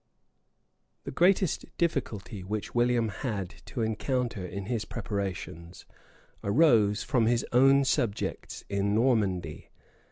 The greatest difficulty which William had to encounter in his preparations, arose from his own subjects in Normandy.